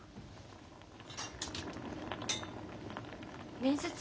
面接